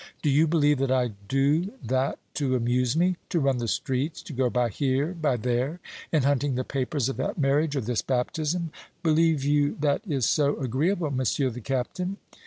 "Do you believe that I do that to amuse me? To run the streets, to go by here, by there, in hunting the papers of that marriage, or this baptism? Believe you that is so agreeable, Monsieur the Captain?